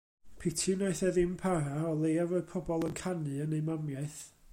Piti wnaeth e ddim para, o leiaf roedd pobl yn canu yn eu mamiaith.